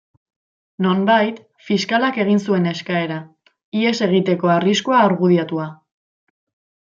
Nonbait, fiskalak egin zuen eskaera, ihes egiteko arriskua argudiatuta.